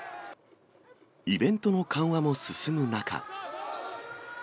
イベントの緩和も進む中。